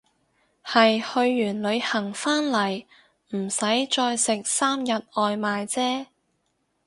係去完旅行返嚟唔使再食三日外賣姐